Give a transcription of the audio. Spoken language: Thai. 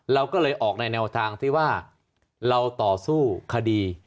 เราก็เลยออกในแนวทางที่ว่าเราต่อสู้คดี